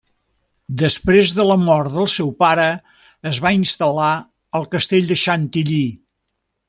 Després de la mort del seu pare, es va instal·lar al castell de Chantilly.